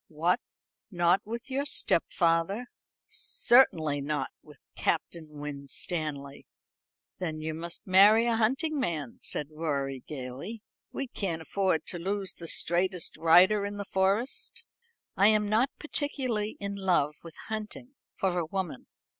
"What, not with your stepfather?" "Certainly not with Captain Winstanley." "Then you must marry a hunting man," said Rorie gaily. "We can't afford to lose the straightest rider in the Forest." "I am not particularly in love with hunting for a woman.